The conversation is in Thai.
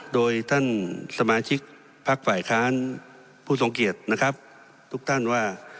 โดยท่านสมาชิกพักฝ่ายค้านผู้ทรงเกียรตินะครับทุกท่านว่า